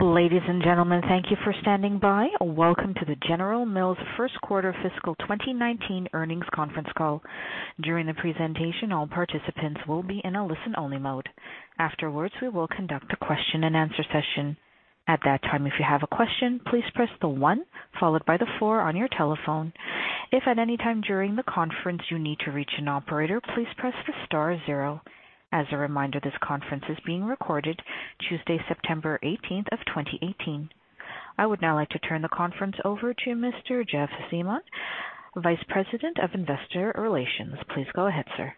Ladies and gentlemen, thank you for standing by. Welcome to the General Mills first quarter fiscal 2019 earnings conference call. During the presentation, all participants will be in a listen-only mode. Afterwards, we will conduct a question-and-answer session. At that time, if you have a question, please press the one followed by the four on your telephone. If at any time during the conference you need to reach an operator, please press the star 0. As a reminder, this conference is being recorded Tuesday, September 18th of 2018. I would now like to turn the conference over to Mr. Jeff Siemon, Vice President of Investor Relations. Please go ahead, sir.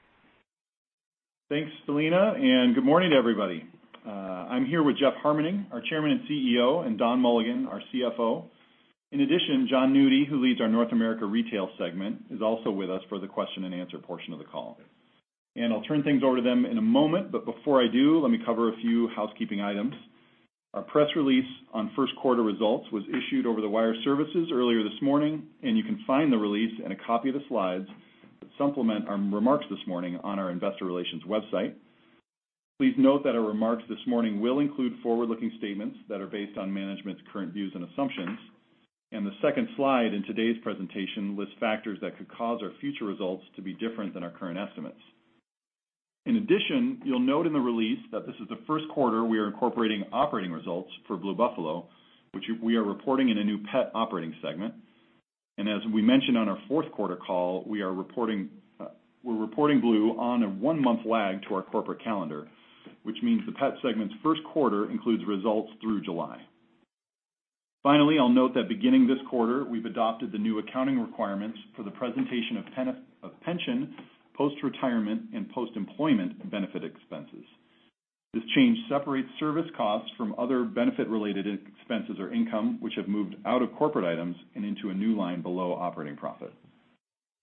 Thanks, Celina. Good morning to everybody. I'm here with Jeff Harmening, our Chairman and CEO, and Don Mulligan, our CFO. In addition, Jon Nudi, who leads our North America Retail segment, is also with us for the question and answer portion of the call. I'll turn things over to them in a moment, but before I do, let me cover a few housekeeping items. Our press release on first quarter results was issued over the wire services earlier this morning. You can find the release and a copy of the slides that supplement our remarks this morning on our investor relations website. Please note that our remarks this morning will include forward-looking statements that are based on management's current views and assumptions. The second slide in today's presentation lists factors that could cause our future results to be different than our current estimates. In addition, you'll note in the release that this is the first quarter we are incorporating operating results for Blue Buffalo, which we are reporting in a new pet operating segment. As we mentioned on our fourth quarter call, we're reporting Blue on a one-month lag to our corporate calendar, which means the pet segment's first quarter includes results through July. Finally, I'll note that beginning this quarter, we've adopted the new accounting requirements for the presentation of pension, post-retirement, and post-employment benefit expenses. This change separates service costs from other benefit-related expenses or income, which have moved out of corporate items and into a new line below operating profit.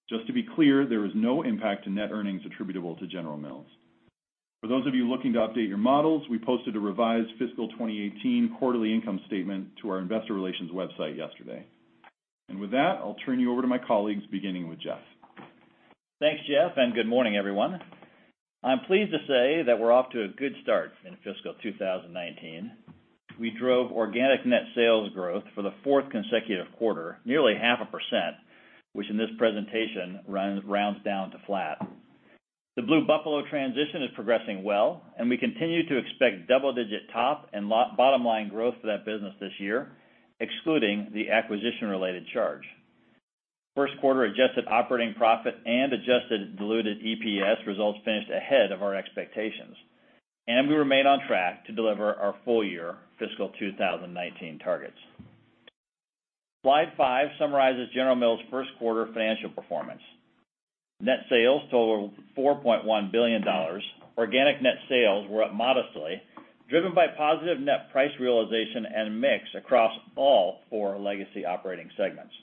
Just to be clear, there is no impact to net earnings attributable to General Mills. For those of you looking to update your models, we posted a revised fiscal 2018 quarterly income statement to our investor relations website yesterday. With that, I'll turn you over to my colleagues, beginning with Jeff. Thanks, Jeff, and good morning, everyone. I'm pleased to say that we're off to a good start in fiscal 2019. We drove organic net sales growth for the fourth consecutive quarter, nearly half a %, which in this presentation rounds down to flat. The Blue Buffalo transition is progressing well, and we continue to expect double-digit top and bottom-line growth for that business this year, excluding the acquisition-related charge. First quarter adjusted operating profit and adjusted diluted EPS results finished ahead of our expectations. We remain on track to deliver our full year fiscal 2019 targets. Slide five summarizes General Mills' first quarter financial performance. Net sales totaled $4.1 billion. Organic net sales were up modestly, driven by positive net price realization and mix across all four legacy operating segments.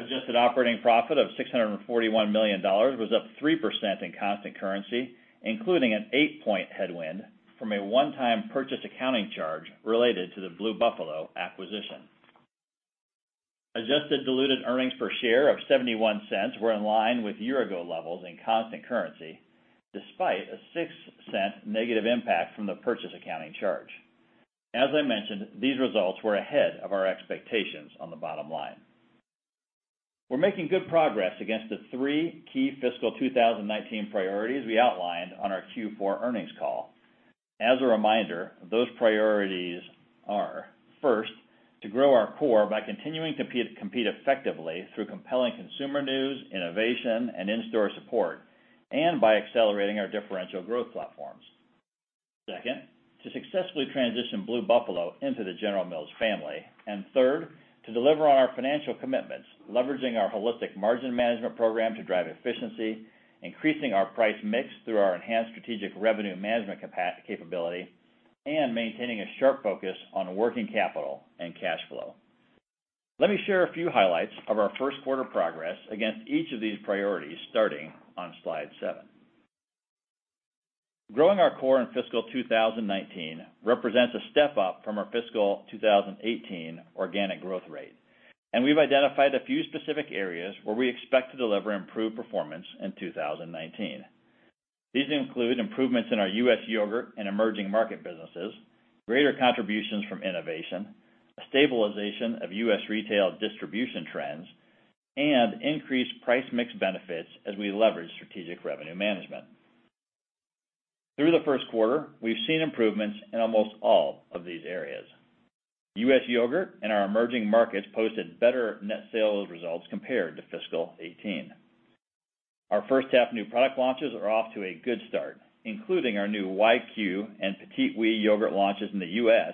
Adjusted operating profit of $641 million was up 3% in constant currency, including an eight-point headwind from a one-time purchase accounting charge related to the Blue Buffalo acquisition. Adjusted diluted earnings per share of $0.71 were in line with year-ago levels in constant currency, despite a $0.06 negative impact from the purchase accounting charge. As I mentioned, these results were ahead of our expectations on the bottom line. We're making good progress against the three key fiscal 2019 priorities we outlined on our Q4 earnings call. As a reminder, those priorities are, first, to grow our core by continuing to compete effectively through compelling consumer news, innovation, and in-store support, and by accelerating our differential growth platforms. Second, to successfully transition Blue Buffalo into the General Mills family. Third, to deliver on our financial commitments, leveraging our holistic margin management program to drive efficiency, increasing our price mix through our enhanced strategic revenue management capability, and maintaining a sharp focus on working capital and cash flow. Let me share a few highlights of our first quarter progress against each of these priorities, starting on slide seven. Growing our core in fiscal 2019 represents a step-up from our fiscal 2018 organic growth rate, and we've identified a few specific areas where we expect to deliver improved performance in 2019. These include improvements in our U.S. yogurt and emerging market businesses, greater contributions from innovation, a stabilization of U.S. retail distribution trends, and increased price mix benefits as we leverage strategic revenue management. Through the first quarter, we've seen improvements in almost all of these areas. U.S. yogurt and our emerging markets posted better net sales results compared to fiscal 2018. Our first half new product launches are off to a good start, including our new YQ and Oui Petits yogurt launches in the U.S.,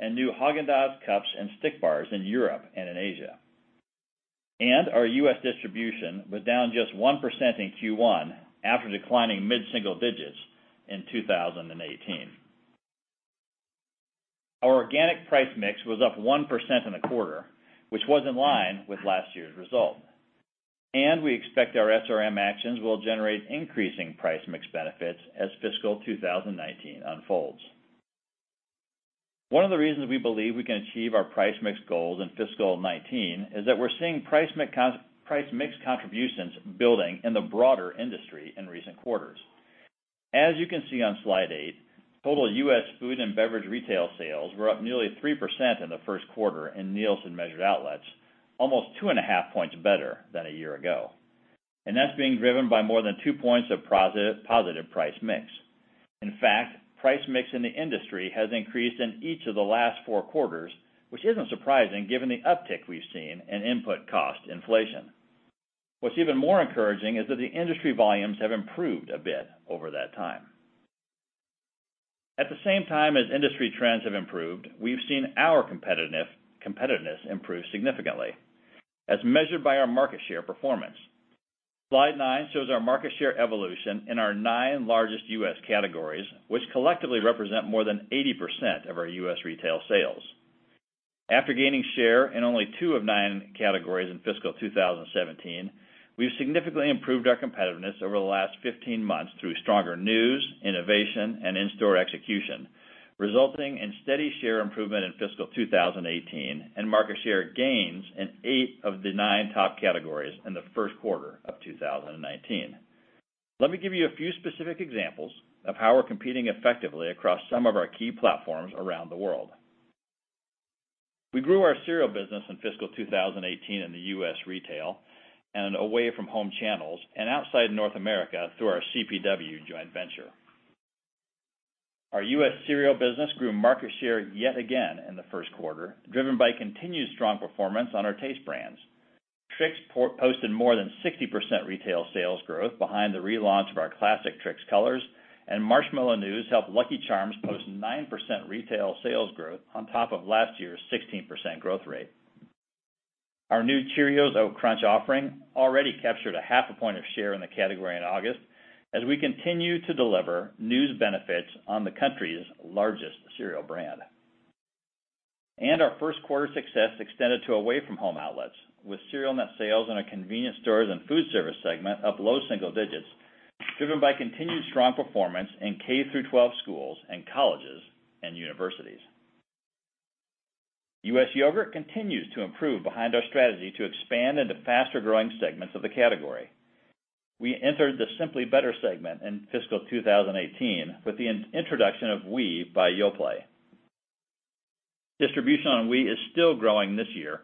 and new Häagen-Dazs cups and stick bars in Europe and in Asia. Our U.S. distribution was down just 1% in Q1 after declining mid-single digits in 2018. Our organic price mix was up 1% in the quarter, which was in line with last year's result. We expect our SRM actions will generate increasing price mix benefits as fiscal 2019 unfolds. One of the reasons we believe we can achieve our price mix goals in fiscal 2019 is that we're seeing price mix contributions building in the broader industry in recent quarters. As you can see on slide eight, total U.S. food and beverage retail sales were up nearly 3% in the first quarter in Nielsen measured outlets, almost two and a half points better than a year ago. That's being driven by more than two points of positive price mix. In fact, price mix in the industry has increased in each of the last four quarters, which isn't surprising given the uptick we've seen in input cost inflation. Even more encouraging is that the industry volumes have improved a bit over that time. The same time as industry trends have improved, we've seen our competitiveness improve significantly, as measured by our market share performance. Slide nine shows our market share evolution in our nine largest U.S. categories, which collectively represent more than 80% of our U.S. retail sales. After gaining share in only two of nine categories in fiscal 2017, we've significantly improved our competitiveness over the last 15 months through stronger news, innovation, and in-store execution, resulting in steady share improvement in fiscal 2018 and market share gains in eight of the nine top categories in the first quarter of 2019. Let me give you a few specific examples of how we're competing effectively across some of our key platforms around the world. We grew our cereal business in fiscal 2018 in the U.S. retail and away from home channels and outside North America through our CPW joint venture. Our U.S. cereal business grew market share yet again in the first quarter, driven by continued strong performance on our taste brands. Trix posted more than 60% retail sales growth behind the relaunch of our classic Trix colors, marshmallow news helped Lucky Charms post 9% retail sales growth on top of last year's 16% growth rate. Our new Cheerios Oat Crunch offering already captured a half a point of share in the category in August, as we continue to deliver news benefits on the country's largest cereal brand. Our first quarter success extended to away from home outlets, with cereal net sales in our Convenience & Foodservice segment up low single digits, driven by continued strong performance in K-12 schools and colleges and universities. U.S. yogurt continues to improve behind our strategy to expand into faster-growing segments of the category. We entered the Simply Better segment in fiscal 2018 with the introduction of Oui by Yoplait. Distribution on Oui is still growing this year,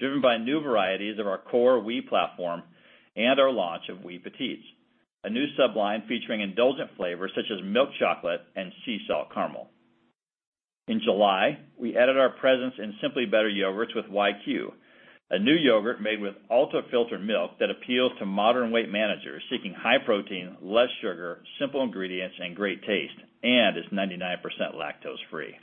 driven by new varieties of our core Oui platform and our launch of Oui Petits, a new sub-line featuring indulgent flavors such as milk chocolate and sea salt caramel. In July, we added our presence in Simply Better yogurts with YQ, a new yogurt made with ultra-filtered milk that appeals to modern weight managers seeking high protein, less sugar, simple ingredients, and great taste, and is 99% lactose-free.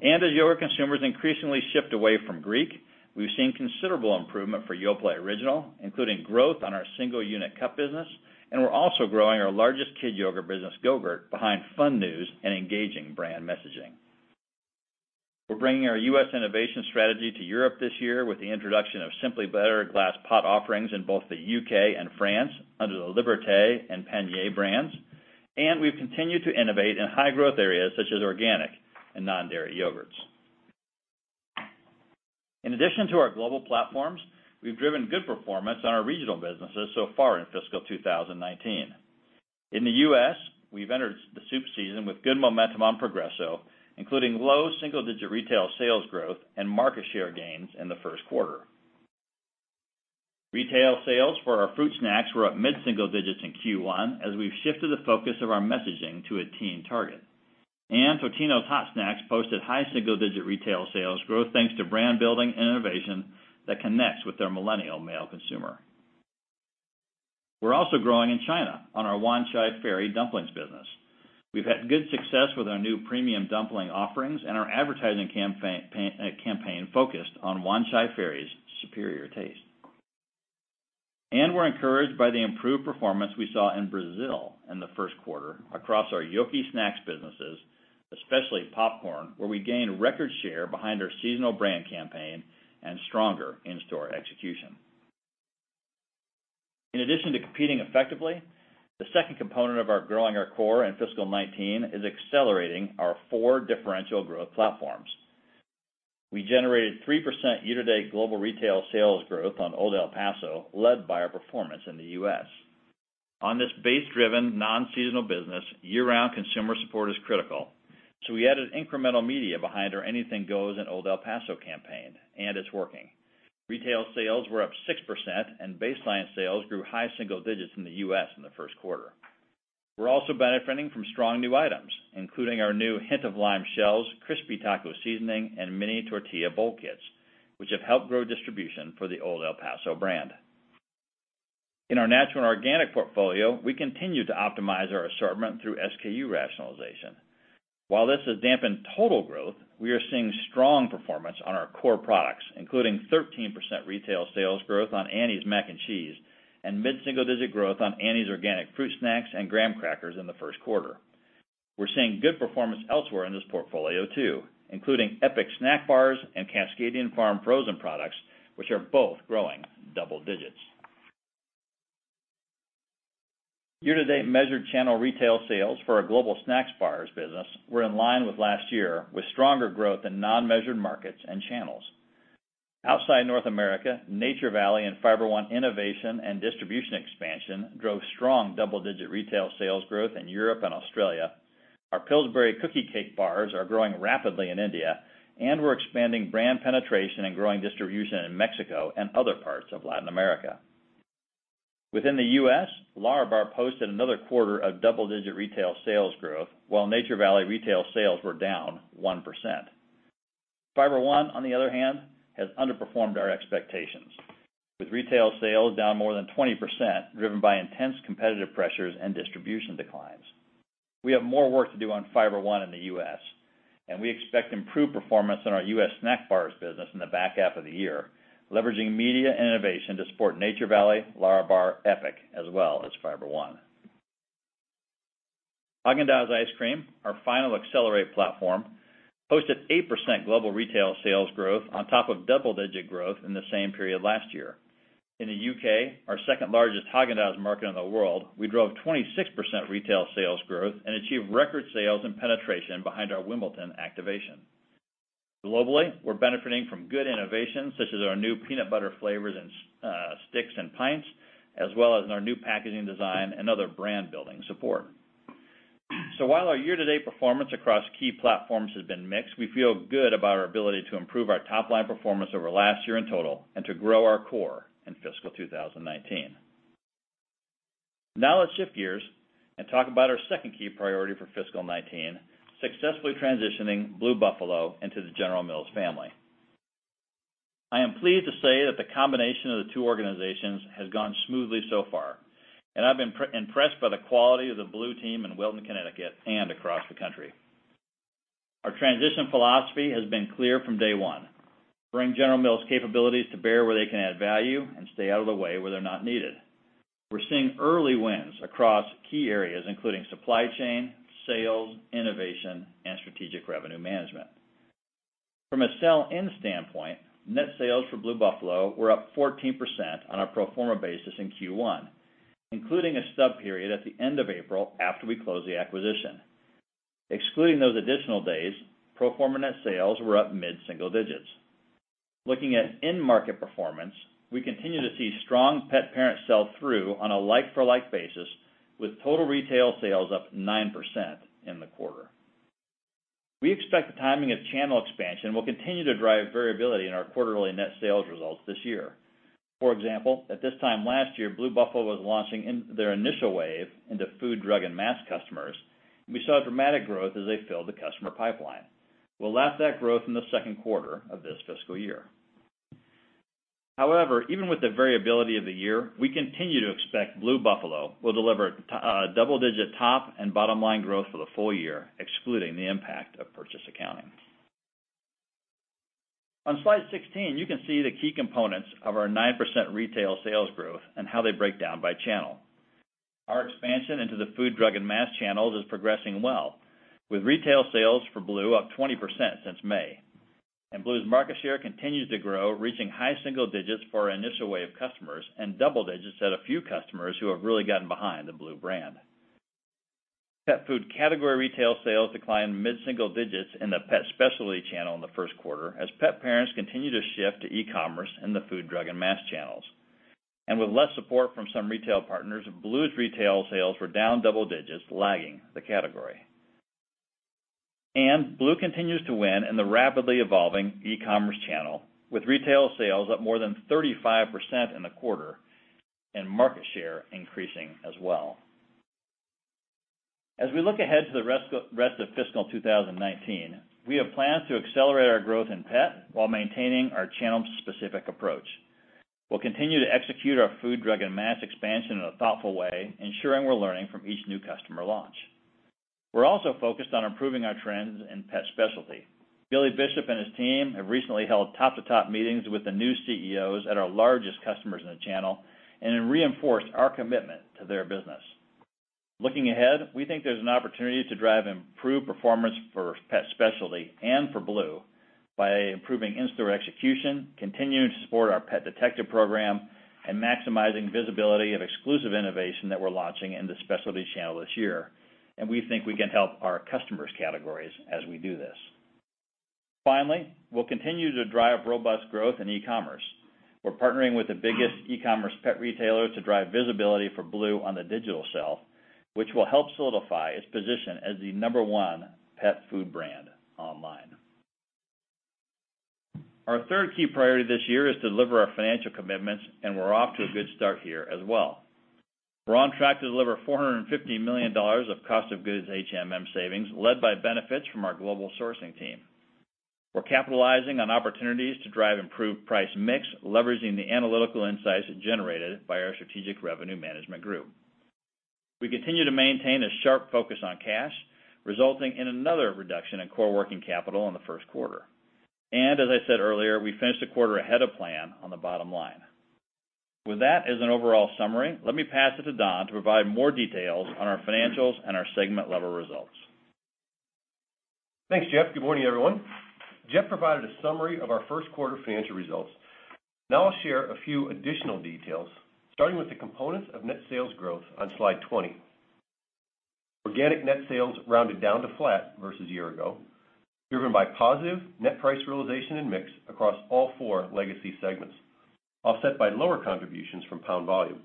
As yogurt consumers increasingly shift away from Greek, we've seen considerable improvement for Yoplait Original, including growth on our single unit cup business, and we're also growing our largest kid yogurt business, Go-Gurt, behind fun news and engaging brand messaging. We're bringing our U.S. innovation strategy to Europe this year with the introduction of Simply Better glass pot offerings in both the U.K. and France under the Liberté and Panier brands, we've continued to innovate in high-growth areas such as organic and non-dairy yogurts. In addition to our global platforms, we've driven good performance on our regional businesses so far in fiscal 2019. In the U.S., we've entered the soup season with good momentum on Progresso, including low single-digit retail sales growth and market share gains in the first quarter. Retail sales for our fruit snacks were up mid-single digits in Q1 as we've shifted the focus of our messaging to a teen target. Totino's Hot Snacks posted high single-digit retail sales growth thanks to brand building and innovation that connects with their millennial male consumer. We're also growing in China on our Wanchai Ferry dumplings business. We've had good success with our new premium dumpling offerings and our advertising campaign focused on Wanchai Ferry's superior taste. We're encouraged by the improved performance we saw in Brazil in the first quarter across our Yoki snacks businesses, especially popcorn, where we gained record share behind our seasonal brand campaign and stronger in-store execution. In addition to competing effectively, the second component of our growing our core in fiscal 2019 is accelerating our four differential growth platforms. We generated 3% year-to-date global retail sales growth on Old El Paso, led by our performance in the U.S. On this base-driven, non-seasonal business, year-round consumer support is critical. We added incremental media behind our Anything Goes in Old El Paso campaign, it's working. Retail sales were up 6%, and baseline sales grew high single digits in the U.S. in the first quarter. We're also benefiting from strong new items, including our new Hint of Lime shells, Crispy Taco Seasoning, and Mini Tortilla Bowl Kits, which have helped grow distribution for the Old El Paso brand. In our natural and organic portfolio, we continue to optimize our assortment through SKU rationalization. While this has dampened total growth, we are seeing strong performance on our core products, including 13% retail sales growth on Annie's Mac & Cheese and mid-single-digit growth on Annie's organic fruit snacks and graham crackers in the first quarter. We're seeing good performance elsewhere in this portfolio too, including Epic snack bars and Cascadian Farm frozen products, which are both growing double digits. Year-to-date measured channel retail sales for our global snacks bars business were in line with last year, with stronger growth in non-measured markets and channels. Outside North America, Nature Valley and Fiber One innovation and distribution expansion drove strong double-digit retail sales growth in Europe and Australia. Our Pillsbury cookie cake bars are growing rapidly in India, we're expanding brand penetration and growing distribution in Mexico and other parts of Latin America. Within the U.S., Lärabar posted another quarter of double-digit retail sales growth, while Nature Valley retail sales were down 1%. Fiber One, on the other hand, has underperformed our expectations, with retail sales down more than 20%, driven by intense competitive pressures and distribution declines. We have more work to do on Fiber One in the U.S., and we expect improved performance in our U.S. snack bars business in the back half of the year, leveraging media and innovation to support Nature Valley, Lärabar, Epic, as well as Fiber One. Häagen-Dazs ice cream, our final accelerate platform, posted 8% global retail sales growth on top of double-digit growth in the same period last year. In the U.K., our second-largest Häagen-Dazs market in the world, we drove 26% retail sales growth and achieved record sales and penetration behind our Wimbledon activation. Globally, we are benefiting from good innovations such as our new peanut butter flavors in sticks and pints, as well as in our new packaging design and other brand-building support. While our year-to-date performance across key platforms has been mixed, we feel good about our ability to improve our top-line performance over last year in total and to grow our core in fiscal 2019. Now let's shift gears and talk about our second key priority for fiscal 2019, successfully transitioning Blue Buffalo into the General Mills family. I am pleased to say that the combination of the two organizations has gone smoothly so far, and I have been impressed by the quality of the Blue team in Wilton, Connecticut, and across the country. Our transition philosophy has been clear from day one, bring General Mills capabilities to bear where they can add value and stay out of the way where they are not needed. We are seeing early wins across key areas, including supply chain, sales, innovation, and strategic revenue management. From a sell-in standpoint, net sales for Blue Buffalo were up 14% on a pro forma basis in Q1, including a stub period at the end of April after we closed the acquisition. Excluding those additional days, pro forma net sales were up mid-single digits. Looking at in-market performance, we continue to see strong pet parent sell-through on a like-for-like basis, with total retail sales up 9% in the quarter. We expect the timing of channel expansion will continue to drive variability in our quarterly net sales results this year. For example, at this time last year, Blue Buffalo was launching their initial wave into food, drug, and mass customers. We saw dramatic growth as they filled the customer pipeline. We will lap that growth in the second quarter of this fiscal year. Even with the variability of the year, we continue to expect Blue Buffalo will deliver double-digit top and bottom-line growth for the full year, excluding the impact of purchase accounting. On slide 16, you can see the key components of our 9% retail sales growth and how they break down by channel. Our expansion into the food, drug, and mass channels is progressing well, with retail sales for Blue up 20% since May. Blue's market share continues to grow, reaching high single digits for our initial wave of customers and double digits at a few customers who have really gotten behind the Blue brand. Pet food category retail sales declined mid-single digits in the pet specialty channel in the first quarter as pet parents continue to shift to e-commerce in the food, drug, and mass channels. With less support from some retail partners, Blue's retail sales were down double digits, lagging the category. Blue continues to win in the rapidly evolving e-commerce channel, with retail sales up more than 35% in the quarter and market share increasing as well. As we look ahead to the rest of fiscal 2019, we have plans to accelerate our growth in pet while maintaining our channel-specific approach. We'll continue to execute our food, drug, and mass expansion in a thoughtful way, ensuring we're learning from each new customer launch. We're also focused on improving our trends in pet specialty. Billy Bishop and his team have recently held top-to-top meetings with the new CEOs at our largest customers in the channel and have reinforced our commitment to their business. Looking ahead, we think there's an opportunity to drive improved performance for pet specialty and for Blue by improving in-store execution, continuing to support our Pet Detective program, and maximizing visibility of exclusive innovation that we're launching in the specialty channel this year, and we think we can help our customers' categories as we do this. Finally, we'll continue to drive robust growth in e-commerce. We're partnering with the biggest e-commerce pet retailer to drive visibility for Blue on the digital shelf, which will help solidify its position as the number one pet food brand online. Our third key priority this year is to deliver our financial commitments. We're off to a good start here as well. We're on track to deliver $450 million of cost of goods HMM savings, led by benefits from our global sourcing team. We're capitalizing on opportunities to drive improved price mix, leveraging the analytical insights generated by our strategic revenue management group. We continue to maintain a sharp focus on cash, resulting in another reduction in core working capital in the first quarter. As I said earlier, we finished the quarter ahead of plan on the bottom line. With that as an overall summary, let me pass it to Don to provide more details on our financials and our segment-level results. Thanks, Jeff. Good morning, everyone. Jeff provided a summary of our first quarter financial results. Now I'll share a few additional details, starting with the components of net sales growth on slide 20. Organic net sales rounded down to flat versus year-ago, driven by positive net price realization and mix across all four legacy segments, offset by lower contributions from pound volume.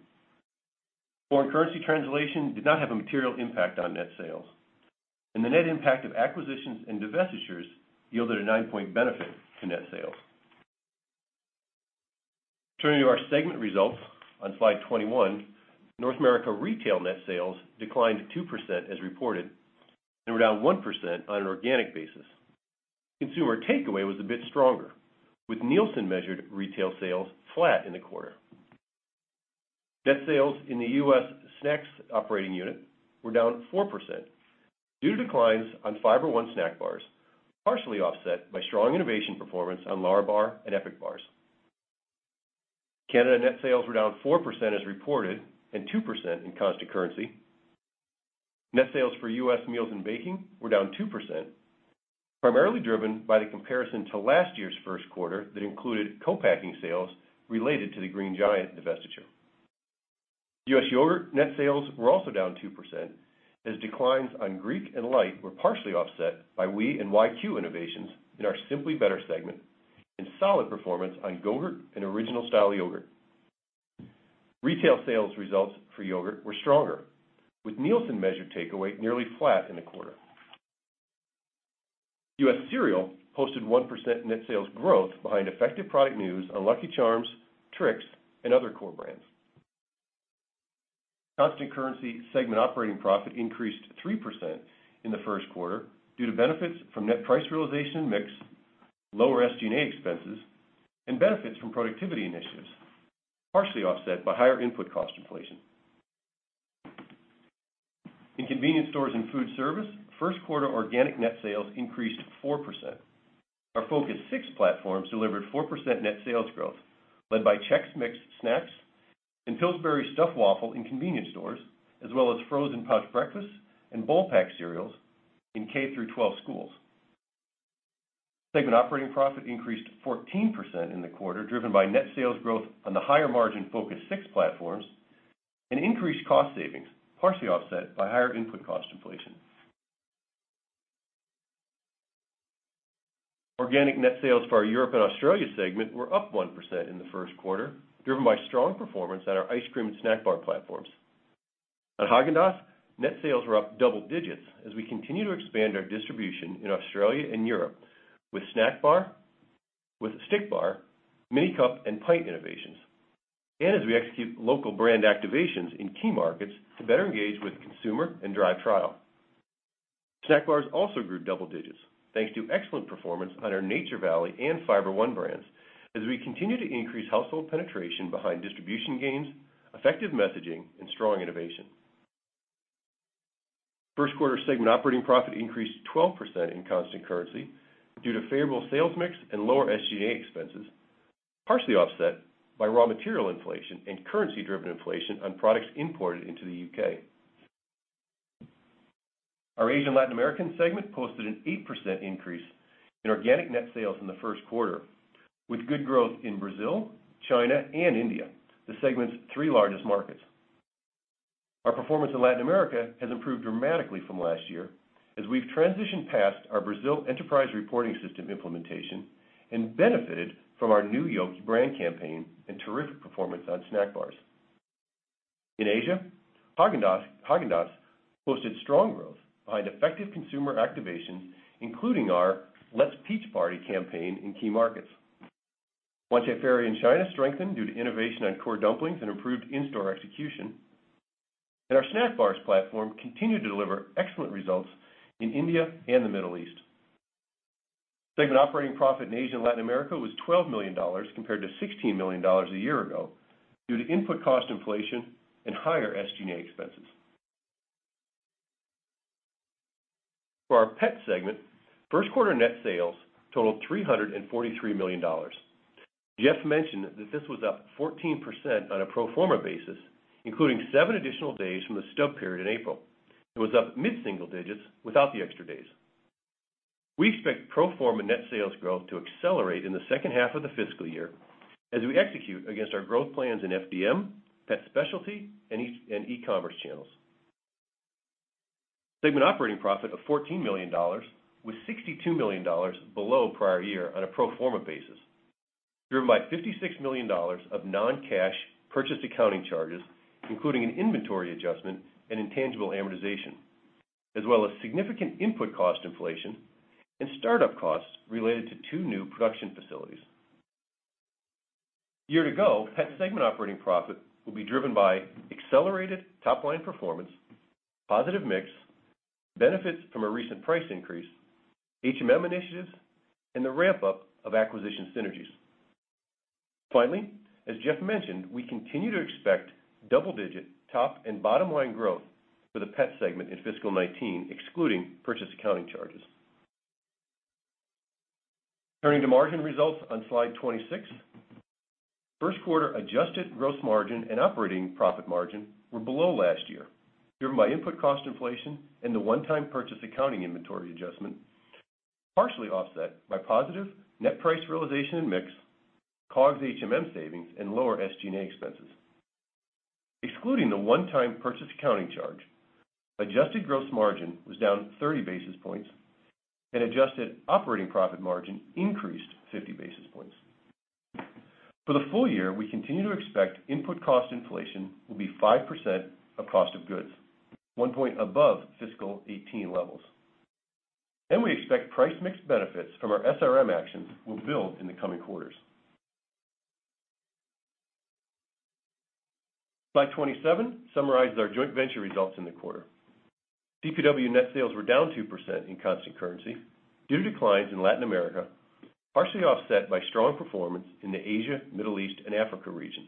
Foreign currency translation did not have a material impact on net sales, and the net impact of acquisitions and divestitures yielded a nine-point benefit to net sales. Turning to our segment results on slide 21, North America Retail net sales declined 2% as reported and were down 1% on an organic basis. Consumer takeaway was a bit stronger, with Nielsen-measured retail sales flat in the quarter. Net sales in the U.S. Snacks operating unit were down 4%, due to declines on Fiber One snack bars, partially offset by strong innovation performance on Lärabar and Epic bars. Canada net sales were down 4% as reported and 2% in constant currency. Net sales for U.S. Meals and Baking were down 2%, primarily driven by the comparison to last year's first quarter that included co-packing sales related to the Green Giant divestiture. U.S. Yogurt net sales were also down 2%, as declines on Greek and Light were partially offset by Oui and YQ innovations in our Simply Better segment and solid performance on Go-Gurt and original style yogurt. Retail sales results for yogurt were stronger, with Nielsen measured takeaway nearly flat in the quarter. U.S. Cereal posted 1% net sales growth behind effective product news on Lucky Charms, Trix, and other core brands. Constant currency segment operating profit increased 3% in the first quarter due to benefits from net price realization mix, lower SG&A expenses, and benefits from productivity initiatives, partially offset by higher input cost inflation. In convenience stores and food service, first quarter organic net sales increased 4%. Our Focus 6 platforms delivered 4% net sales growth, led by Chex Mix snacks and Pillsbury Stuffed Waffle in convenience stores, as well as frozen pouch breakfast and bowl pack cereals in K through 12 schools. Segment operating profit increased 14% in the quarter, driven by net sales growth on the higher margin Focus 6 platforms and increased cost savings, partially offset by higher input cost inflation. Organic net sales for our Europe and Australia segment were up 1% in the first quarter, driven by strong performance at our ice cream and snack bar platforms. At Häagen-Dazs, net sales were up double digits as we continue to expand our distribution in Australia and Europe with snack bar, with stick bar, mini cup, and pint innovations. As we execute local brand activations in key markets to better engage with the consumer and drive trial. Snack bars also grew double digits, thanks to excellent performance on our Nature Valley and Fiber One brands as we continue to increase household penetration behind distribution gains, effective messaging, and strong innovation. First quarter segment operating profit increased 12% in constant currency due to favorable sales mix and lower SG&A expenses, partially offset by raw material inflation and currency-driven inflation on products imported into the U.K. Our Asia and Latin American segment posted an 8% increase in organic net sales in the first quarter, with good growth in Brazil, China, and India, the segment's three largest markets. Our performance in Latin America has improved dramatically from last year as we've transitioned past our Brazil enterprise reporting system implementation and benefited from our new Yoki brand campaign and terrific performance on snack bars. In Asia, Häagen-Dazs posted strong growth behind effective consumer activation, including our Let's Peach Party campaign in key markets. Wanchai Ferry in China strengthened due to innovation on core dumplings and improved in-store execution. Our snack bars platform continued to deliver excellent results in India and the Middle East. Segment operating profit in Asia and Latin America was $12 million, compared to $16 million a year ago, due to input cost inflation and higher SG&A expenses. For our Pet segment, first quarter net sales totaled $343 million. Jeff mentioned that this was up 14% on a pro forma basis, including seven additional days from the stub period in April. It was up mid-single digits without the extra days. We expect pro forma net sales growth to accelerate in the second half of the fiscal year as we execute against our growth plans in FDM, pet specialty, and e-commerce channels. Segment operating profit of $14 million was $62 million below prior year on a pro forma basis, driven by $56 million of non-cash purchase accounting charges, including an inventory adjustment and intangible amortization, as well as significant input cost inflation and start-up costs related to 2 new production facilities. Year ago, Pet segment operating profit will be driven by accelerated top-line performance, positive mix, benefits from a recent price increase, HMM initiatives, and the ramp-up of acquisition synergies. As Jeff mentioned, we continue to expect double-digit top and bottom-line growth for the Pet segment in fiscal 2019, excluding purchase accounting charges. Turning to margin results on Slide 26. First quarter adjusted gross margin and operating profit margin were below last year, driven by input cost inflation and the one-time purchase accounting inventory adjustment, partially offset by positive net price realization and mix, COGS HMM savings, and lower SG&A expenses. Excluding the one-time purchase accounting charge, adjusted gross margin was down 30 basis points, and adjusted operating profit margin increased 50 basis points. For the full year, we continue to expect input cost inflation will be 5% of cost of goods, 1 point above fiscal 2018 levels. We expect price mixed benefits from our SRM actions will build in the coming quarters. Slide 27 summarizes our joint venture results in the quarter. CPW net sales were down 2% in constant currency due to declines in Latin America, partially offset by strong performance in the Asia, Middle East, and Africa region.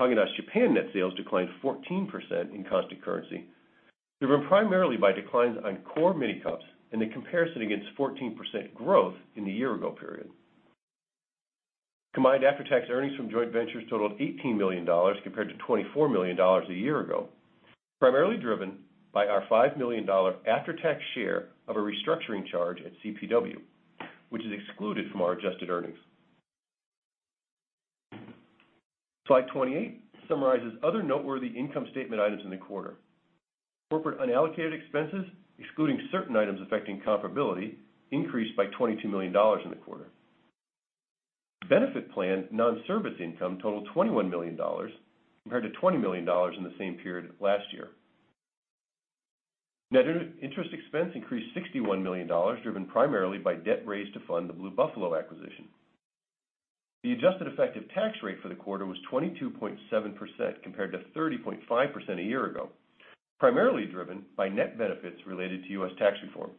Häagen-Dazs Japan net sales declined 14% in constant currency, driven primarily by declines on core mini cups and the comparison against 14% growth in the year-ago period. Combined after-tax earnings from joint ventures totaled $18 million compared to $24 million a year ago, primarily driven by our $5 million after-tax share of a restructuring charge at CPW, which is excluded from our adjusted earnings. Slide 28 summarizes other noteworthy income statement items in the quarter. Corporate unallocated expenses, excluding certain items affecting comparability, increased by $22 million in the quarter. Benefit plan non-service income totaled $21 million compared to $20 million in the same period last year. Net interest expense increased $61 million, driven primarily by debt raised to fund the Blue Buffalo acquisition. The adjusted effective tax rate for the quarter was 22.7% compared to 30.5% a year ago, primarily driven by net benefits related to U.S. tax reform.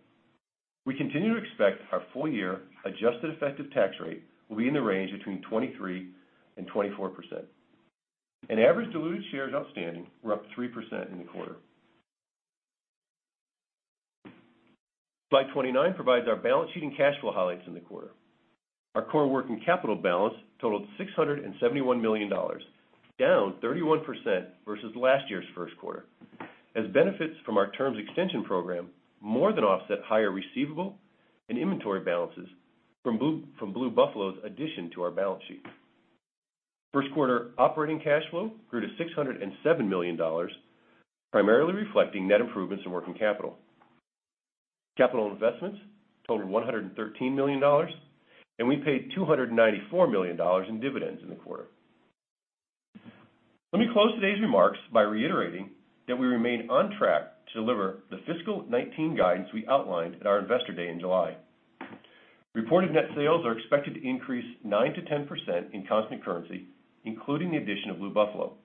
We continue to expect our full-year adjusted effective tax rate will be in the range between 23% and 24%. Average diluted shares outstanding were up 3% in the quarter. Slide 29 provides our balance sheet and cash flow highlights in the quarter. Our core working capital balance totaled $671 million, down 31% versus last year's first quarter, as benefits from our terms extension program more than offset higher receivable and inventory balances from Blue Buffalo's addition to our balance sheet. First quarter operating cash flow grew to $607 million, primarily reflecting net improvements in working capital. Capital investments totaled $113 million, and we paid $294 million in dividends in the quarter. Let me close today's remarks by reiterating that we remain on track to deliver the fiscal 2019 guidance we outlined at our Investor Day in July. Reported net sales are expected to increase 9%-10% in constant currency, including the addition of Blue Buffalo.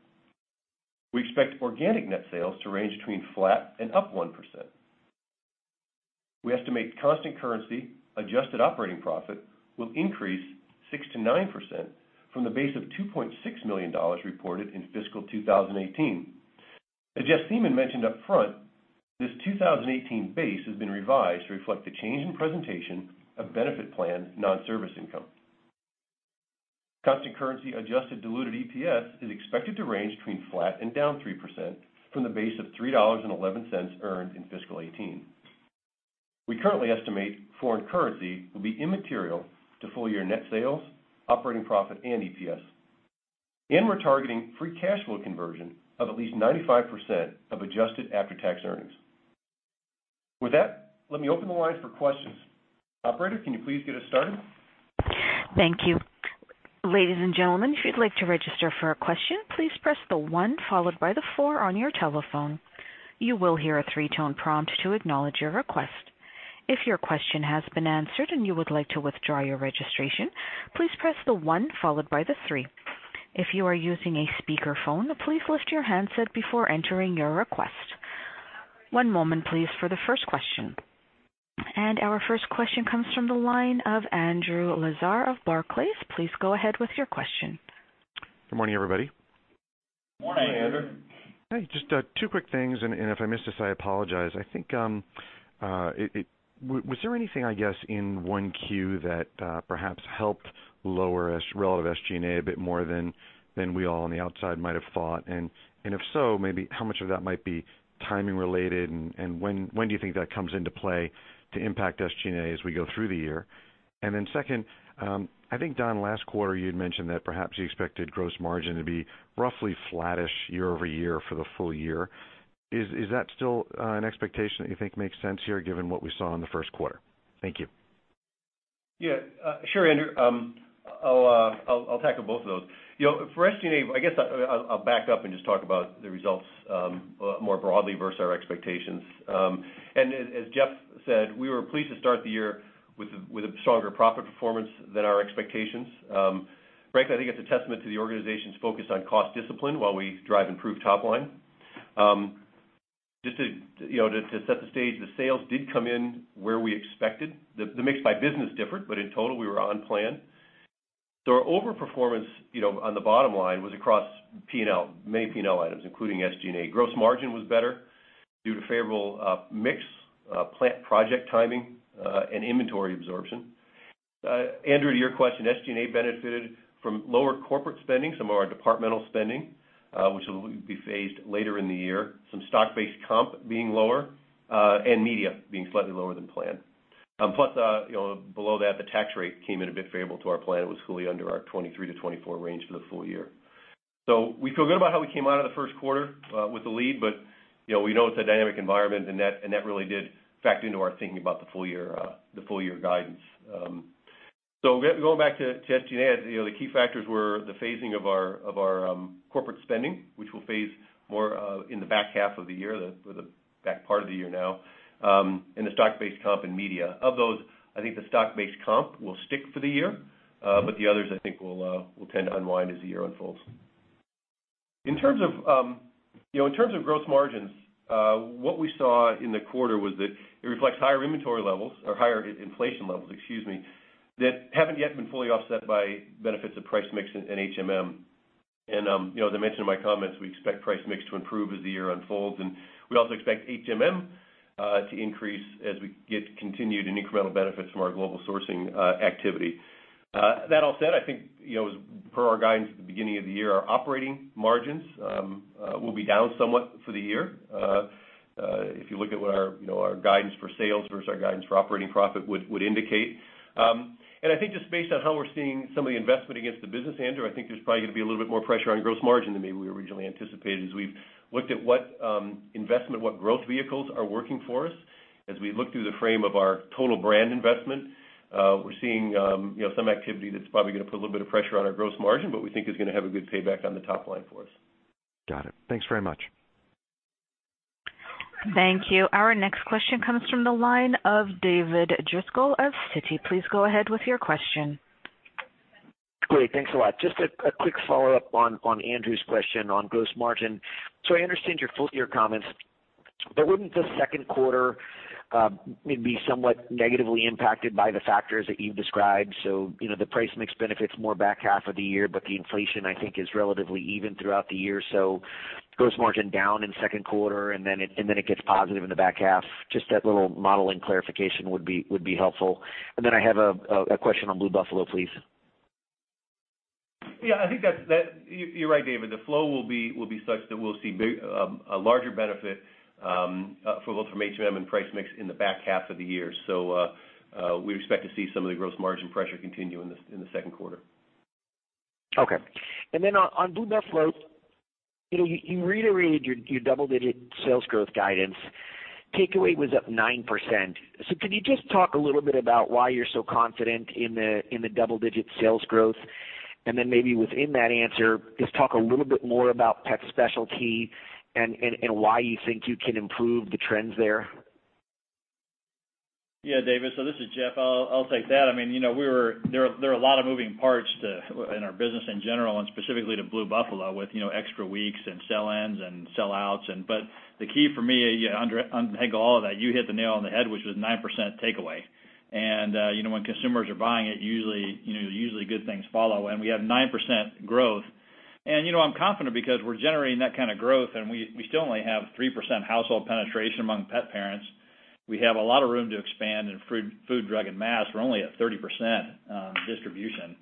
We expect organic net sales to range between flat and up 1%. We estimate constant currency adjusted operating profit will increase 6%-9% from the base of $2.6 billion reported in fiscal 2018. As Jeff Siemon mentioned up front, this 2018 base has been revised to reflect the change in presentation of benefit plan non-service income. Constant currency adjusted diluted EPS is expected to range between flat and down 3% from the base of $3.11 earned in fiscal 2018. We currently estimate foreign currency will be immaterial to full-year net sales, operating profit, and EPS. We're targeting free cash flow conversion of at least 95% of adjusted after-tax earnings. With that, let me open the lines for questions. Operator, can you please get us started? Thank you. Ladies and gentlemen, if you'd like to register for a question, please press the one followed by the four on your telephone. You will hear a three-tone prompt to acknowledge your request. If your question has been answered and you would like to withdraw your registration, please press the one followed by the three. If you are using a speakerphone, please lift your handset before entering your request. One moment please for the first question. Our first question comes from the line of Andrew Lazar of Barclays. Please go ahead with your question. Good morning, everybody. Morning, Andrew. Hey, just two quick things, and if I missed this, I apologize. Was there anything, I guess, in 1Q that perhaps helped lower relative SG&A a bit more than we all on the outside might have thought? If so, maybe how much of that might be timing related, and when do you think that comes into play to impact SG&A as we go through the year? Second, I think, Don, last quarter you had mentioned that perhaps you expected gross margin to be roughly flattish year-over-year for the full year. Is that still an expectation that you think makes sense here given what we saw in the first quarter? Thank you. Yeah. Sure, Andrew. I'll tackle both of those. For SG&A, I guess I'll back up and just talk about the results more broadly versus our expectations. As Jeff said, we were pleased to start the year with a stronger profit performance than our expectations. Frankly, I think it's a testament to the organization's focus on cost discipline while we drive improved top line. Just to set the stage, the sales did come in where we expected. The mix by business differed, but in total, we were on plan. Our overperformance on the bottom line was across P&L, many P&L items, including SG&A. Gross margin was better due to favorable mix, plant project timing, and inventory absorption. Andrew, to your question, SG&A benefited from lower corporate spending, some of our departmental spending, which will be phased later in the year. Some stock-based comp being lower, and media being slightly lower than planned. Plus, below that, the tax rate came in a bit favorable to our plan. It was fully under our 23-24 range for the full year. We feel good about how we came out of the first quarter with the lead, but we know it's a dynamic environment, and that really did factor into our thinking about the full year guidance. Going back to SG&A, the key factors were the phasing of our corporate spending, which we'll phase more in the back half of the year, the back part of the year now, and the stock-based comp and media. Of those, I think the stock-based comp will stick for the year. The others, I think will tend to unwind as the year unfolds. In terms of gross margins, what we saw in the quarter was that it reflects higher inventory levels or higher inflation levels, excuse me, that haven't yet been fully offset by benefits of price mix and HMM. As I mentioned in my comments, we expect price mix to improve as the year unfolds, and we also expect HMM to increase as we get continued and incremental benefits from our global sourcing activity. That all said, I think, as per our guidance at the beginning of the year, our operating margins will be down somewhat for the year. If you look at what our guidance for sales versus our guidance for operating profit would indicate. I think just based on how we're seeing some of the investment against the business, Andrew, I think there's probably going to be a little bit more pressure on gross margin than maybe we originally anticipated as we've looked at what investment, what growth vehicles are working for us. As we look through the frame of our total brand investment, we're seeing some activity that's probably going to put a little bit of pressure on our gross margin, but we think is going to have a good payback on the top line for us. Got it. Thanks very much. Thank you. Our next question comes from the line of David Driscoll of Citi. Please go ahead with your question. Great. Thanks a lot. Just a quick follow-up on Andrew's question on gross margin. I understand your full-year comments, wouldn't the second quarter maybe somewhat negatively impacted by the factors that you've described? The price mix benefits more back half of the year, the inflation, I think, is relatively even throughout the year. Gross margin down in second quarter and then it gets positive in the back half. Just that little modeling clarification would be helpful. Then I have a question on Blue Buffalo, please. I think you're right, David. The flow will be such that we'll see a larger benefit for both from HMM and price mix in the back half of the year. We expect to see some of the gross margin pressure continue in the second quarter. Okay. On Blue Buffalo, you reiterated your double-digit sales growth guidance. Takeaway was up 9%. Could you just talk a little bit about why you're so confident in the double-digit sales growth, and then maybe within that answer, just talk a little bit more about pet specialty and why you think you can improve the trends there? Yeah, David. This is Jeff. I'll take that. There are a lot of moving parts in our business in general, and specifically to Blue Buffalo with extra weeks and sell-ins and sell-outs. The key for me, under all of that, you hit the nail on the head, which was 9% takeaway. When consumers are buying it, usually good things follow, and we have 9% growth. I'm confident because we're generating that kind of growth, and we still only have 3% household penetration among pet parents. We have a lot of room to expand in food, drug, and mass. We're only at 30% distribution.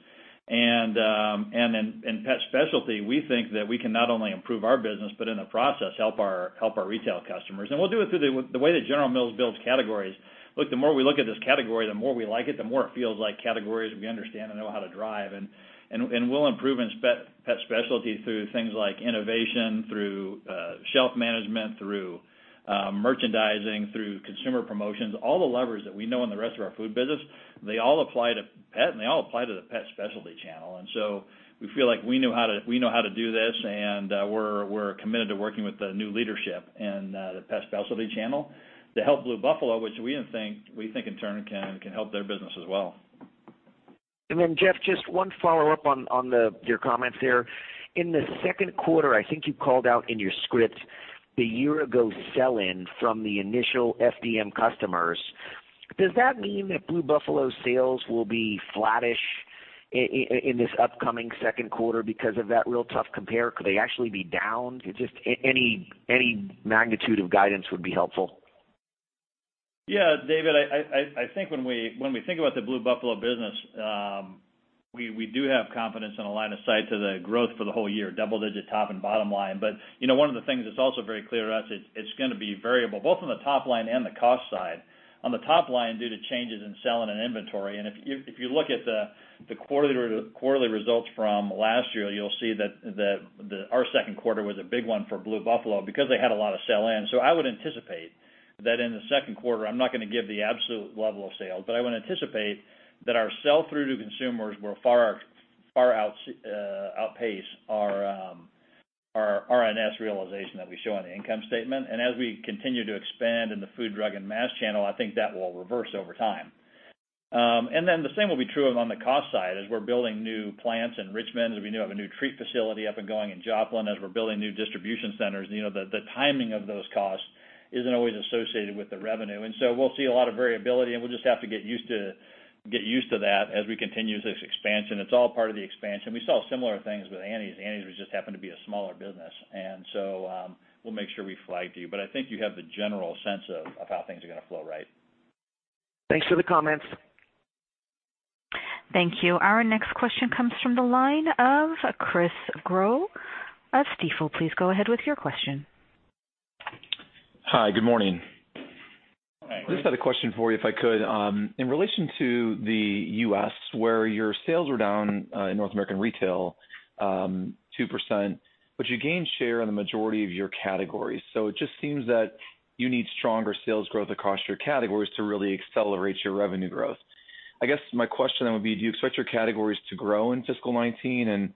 In pet specialty, we think that we can not only improve our business, but in the process, help our retail customers. We'll do it through the way that General Mills builds categories. Look, the more we look at this category, the more we like it, the more it feels like categories we understand and know how to drive. We'll improve in pet specialty through things like innovation, through shelf management, through merchandising, through consumer promotions, all the levers that we know in the rest of our food business, they all apply to pet, and they all apply to the pet specialty channel. We feel like we know how to do this, and we're committed to working with the new leadership in the pet specialty channel to help Blue Buffalo, which we think in turn can help their business as well. Jeff, just one follow-up on your comments there. In the second quarter, I think you called out in your script the year ago sell-in from the initial FDM customers. Does that mean that Blue Buffalo sales will be flattish in this upcoming second quarter because of that real tough compare? Could they actually be down? Just any magnitude of guidance would be helpful. David, I think when we think about the Blue Buffalo business, we do have confidence and a line of sight to the growth for the whole year, double digit top and bottom line. One of the things that's also very clear to us, it's going to be variable, both on the top line and the cost side. On the top line, due to changes in sell in and inventory, if you look at the quarterly results from last year, you'll see that our second quarter was a big one for Blue Buffalo because they had a lot of sell-in. I would anticipate that in the second quarter, I'm not going to give the absolute level of sales, but I would anticipate that our sell-through to consumers will far outpace our R&S realization that we show on the income statement. As we continue to expand in the food, drug, and mass channel, I think that will reverse over time. The same will be true on the cost side as we're building new plants in Richmond, as we now have a new treat facility up and going in Joplin, as we're building new distribution centers. The timing of those costs isn't always associated with the revenue. We'll see a lot of variability, and we'll just have to get used to that as we continue this expansion. It's all part of the expansion. We saw similar things with Annie's. Annie's just happened to be a smaller business. We'll make sure we flag you. I think you have the general sense of how things are going to flow right. Thanks for the comments. Thank you. Our next question comes from the line of Chris Growe of Stifel. Please go ahead with your question. Hi. Good morning. Hi. Just had a question for you, if I could. In relation to the U.S., where your sales were down in North America Retail 2%, but you gained share on the majority of your categories. It just seems that you need stronger sales growth across your categories to really accelerate your revenue growth. My question would be, do you expect your categories to grow in fiscal 2019?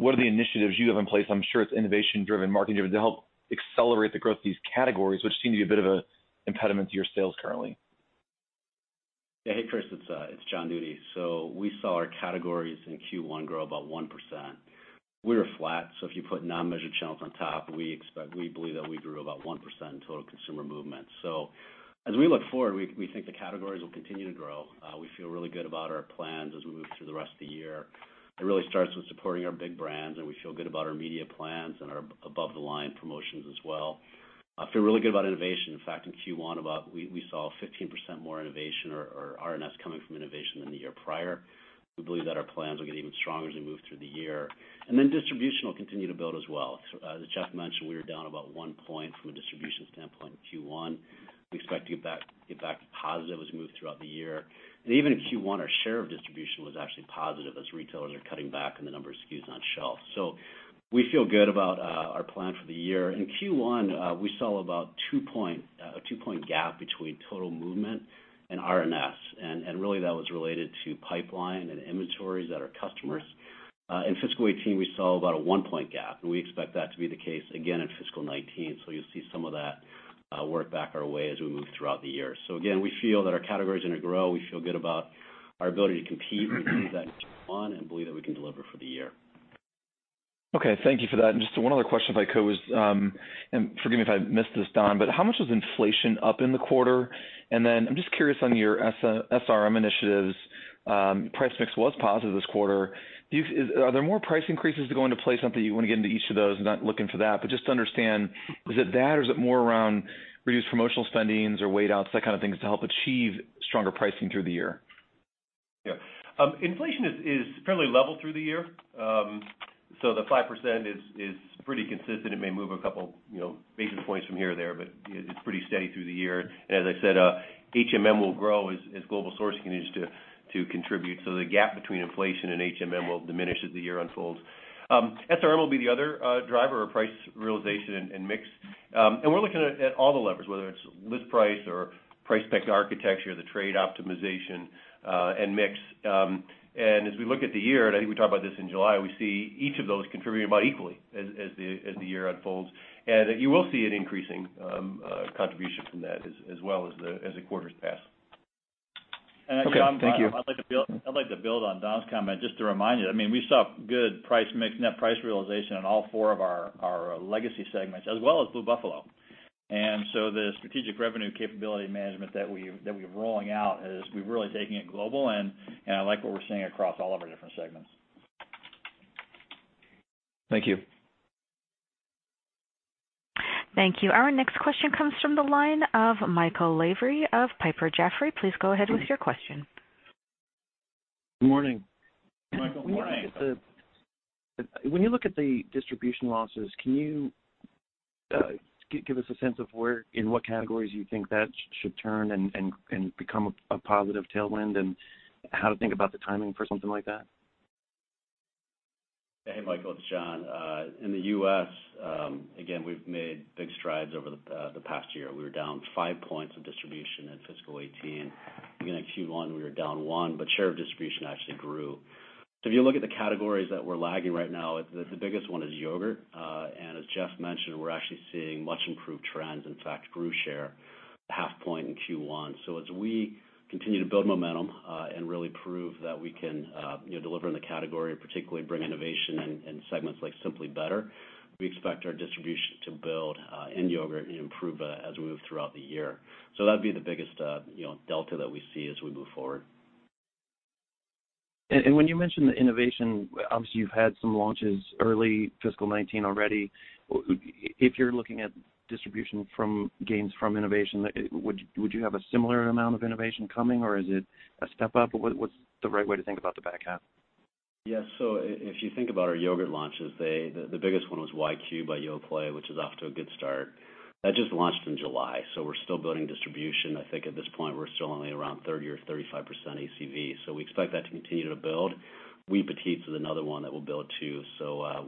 What are the initiatives you have in place, I'm sure it's innovation driven, marketing driven, to help accelerate the growth of these categories, which seem to be a bit of an impediment to your sales currently? Hey, Chris, it's Jon Nudi. We saw our categories in Q1 grow about 1%. We were flat, so if you put non-measured channels on top, we believe that we grew about 1% in total consumer movement. As we look forward, we think the categories will continue to grow. We feel really good about our plans as we move through the rest of the year. It really starts with supporting our big brands, and we feel good about our media plans and our above-the-line promotions as well. I feel really good about innovation. In fact, in Q1, we saw 15% more innovation or R&S coming from innovation than the year prior. We believe that our plans will get even stronger as we move through the year. Distribution will continue to build as well. As Jeff mentioned, we were down about 1 point from a distribution standpoint in Q1. Oui expect to get back to positive as we move throughout the year. Even in Q1, our share of distribution was actually positive as retailers are cutting back on the number of SKUs on shelf. We feel good about our plan for the year. In Q1, we saw about a 2-point gap between total movement and R&S, and that was related to pipeline and inventories at our customers. In fiscal 2018, we saw about a 1-point gap, and we expect that to be the case again in fiscal 2019. You'll see some of that work back our way as we move throughout the year. Again, we feel that our categories are going to grow. We feel good about our ability to compete, we did that in Q1 and believe that we can deliver for the year. Okay. Thank you for that. Just one other question if I could was, and forgive me if I missed this, Don, how much was inflation up in the quarter? I'm just curious on your SRM initiatives. Price mix was positive this quarter. Are there more price increases to go into play? Sometimes you want to get into each of those, not looking for that, but just to understand, was it that, or is it more around reduced promotional spendings or weight-outs, that kind of things, to help achieve stronger pricing through the year? Yeah. Inflation is fairly level through the year. The 5% is pretty consistent. It may move a couple basis points from here or there, but it's pretty steady through the year. As I said, HMM will grow as global sourcing continues to contribute. The gap between inflation and HMM will diminish as the year unfolds. SRM will be the other driver of price realization and mix. We're looking at all the levers, whether it's list price or price spec architecture, the trade optimization, and mix. As we look at the year, I think we talked about this in July, we see each of those contributing about equally as the year unfolds. You will see an increasing contribution from that as well as the quarters pass. Okay. Thank you. Actually, I'd like to build on Don's comment, just to remind you, we saw good price mix, net price realization on all four of our legacy segments as well as Blue Buffalo. So the strategic revenue capability management that we're rolling out is we're really taking it global, and I like what we're seeing across all of our different segments. Thank you. Thank you. Our next question comes from the line of Michael Lavery of Piper Jaffray. Please go ahead with your question. Good morning. Michael, good morning. When you look at the distribution losses, can you give us a sense of in what categories you think that should turn and become a positive tailwind, and how to think about the timing for something like that? Hey, Michael, it's Jon. In the U.S. again, we've made big strides over the past year. Oui were down five points of distribution in fiscal 2018. Again, in Q1, we were down one, but share of distribution actually grew. If you look at the categories that we're lagging right now, the biggest one is yogurt. As Jeff mentioned, we're actually seeing much improved trends, in fact, grew share a half point in Q1. As we continue to build momentum, and really prove that we can deliver in the category and particularly bring innovation in segments like Simply Better, we expect our distribution to build in yogurt and improve as we move throughout the year. That'd be the biggest delta that we see as we move forward. When you mention the innovation, obviously you've had some launches early fiscal 2019 already. If you're looking at distribution gains from innovation, would you have a similar amount of innovation coming, or is it a step up? What's the right way to think about the back half? If you think about our yogurt launches, the biggest one was YQ by Yoplait, which is off to a good start. That just launched in July, we're still building distribution. I think at this point, we're still only around 30% or 35% ACV. We expect that to continue to build. Oui Petits is another one that will build, too.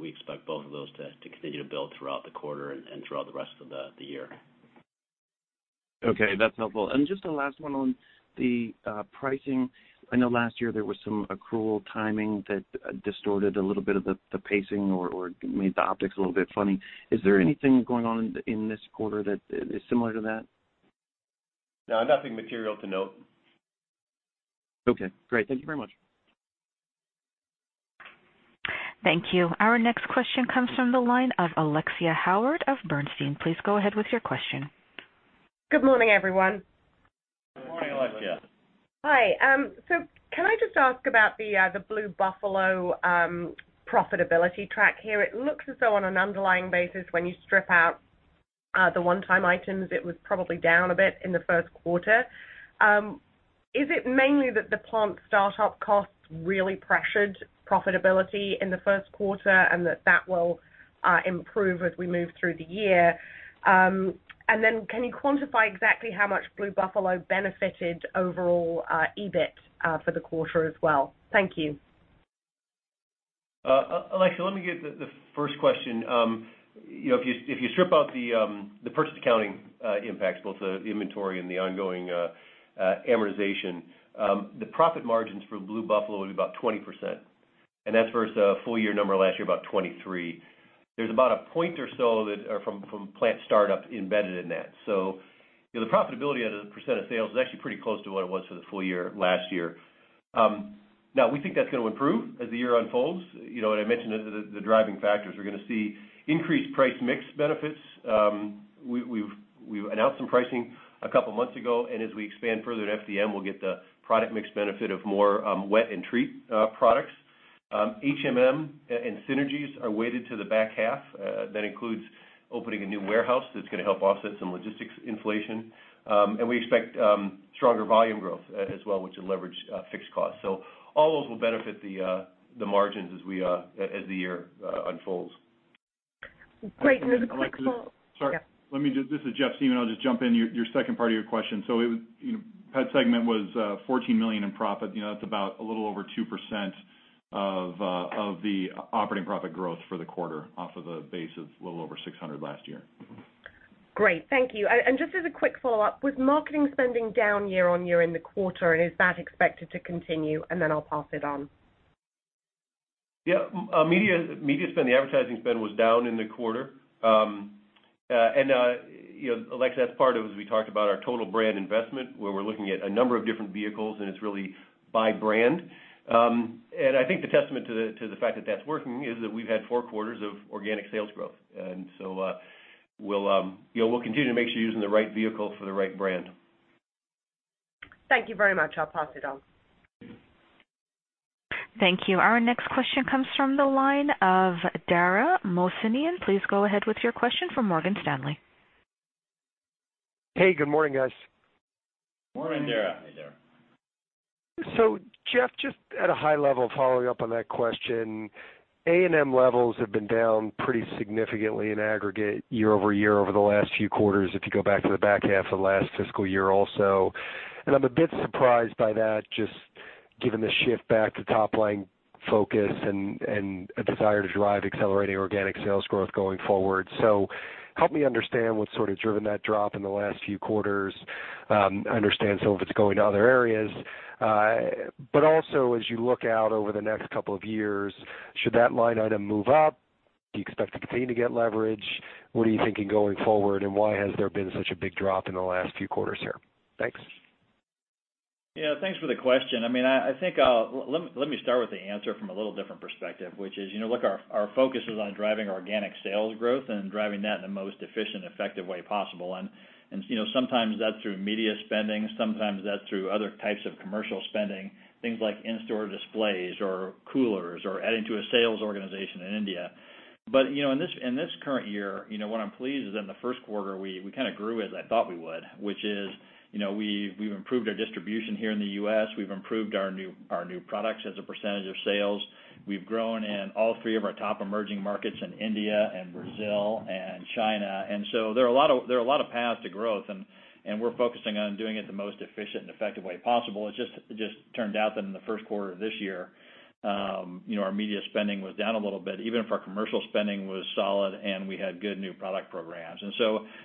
We expect both of those to continue to build throughout the quarter and throughout the rest of the year. That's helpful. Just the last one on the pricing. I know last year there was some accrual timing that distorted a little bit of the pacing or made the optics a little bit funny. Is there anything going on in this quarter that is similar to that? No, nothing material to note. Okay, great. Thank you very much. Thank you. Our next question comes from the line of Alexia Howard of Bernstein. Please go ahead with your question. Good morning, everyone. Good morning, Alexia. Hi. Can I just ask about the Blue Buffalo profitability track here? It looks as though on an underlying basis, when you strip out the one-time items, it was probably down a bit in the first quarter. Is it mainly that the plant startup costs really pressured profitability in the first quarter and that will improve as we move through the year? Can you quantify exactly how much Blue Buffalo benefited overall EBIT for the quarter as well? Thank you. Alexia, let me get the first question. If you strip out the purchase accounting impacts, both the inventory and the ongoing amortization, the profit margins for Blue Buffalo would be about 20%. That's versus a full-year number last year, about 23%. There's about a point or so that are from plant startup embedded in that. The profitability as a percent of sales is actually pretty close to what it was for the full year last year. We think that's going to improve as the year unfolds. What I mentioned as the driving factors, we're going to see increased price mix benefits. Oui announced some pricing a couple of months ago. As we expand further into FDM, we'll get the product mix benefit of more wet and treat products. HMM and synergies are weighted to the back half. That includes opening a new warehouse that's going to help offset some logistics inflation. We expect stronger volume growth as well, which will leverage fixed costs. All those will benefit the margins as the year unfolds. Great. As a quick follow-up- Sorry, this is Jeff Siemon. I'll just jump in, your second part of your question. That segment was $14 million in profit. That's about a little over 2% of the operating profit growth for the quarter off of a base of a little over $600 last year. Great. Thank you. Just as a quick follow-up, was marketing spending down year-over-year in the quarter, and is that expected to continue? I'll pass it on. Yeah. Media spend, the advertising spend was down in the quarter. Alexia, that's part of, as we talked about, our total brand investment, where we're looking at a number of different vehicles, and it's really by brand. I think the testament to the fact that that's working is that we've had four quarters of organic sales growth. We'll continue to make sure you're using the right vehicle for the right brand. Thank you very much. I'll pass it on. Thank you. Our next question comes from the line of Dara Mohsenian. Please go ahead with your question from Morgan Stanley. Hey, good morning, guys. Morning, Dara. Hey, Dara. Jeff, just at a high level, following up on that question, A&P levels have been down pretty significantly in aggregate year-over-year over the last few quarters if you go back to the back half of last fiscal year also. I'm a bit surprised by that, just given the shift back to top-line focus and a desire to drive accelerating organic sales growth going forward. Help me understand what's driven that drop in the last few quarters. I understand some of it's going to other areas. Also as you look out over the next couple of years, should that line item move up? Do you expect to continue to get leverage? What are you thinking going forward, and why has there been such a big drop in the last few quarters here? Thanks. Yeah, thanks for the question. Let me start with the answer from a little different perspective, which is, look, our focus is on driving organic sales growth and driving that in the most efficient, effective way possible. Sometimes that's through media spending, sometimes that's through other types of commercial spending, things like in-store displays or coolers or adding to a sales organization in India. In this current year, what I'm pleased is in the first quarter, we kind of grew as I thought we would, which is we've improved our distribution here in the U.S., we've improved our new products as a percentage of sales. We've grown in all three of our top emerging markets in India and Brazil and China. There are a lot of paths to growth, and we're focusing on doing it the most efficient and effective way possible. It just turned out that in the first quarter of this year, our media spending was down a little bit, even if our commercial spending was solid and we had good new product programs.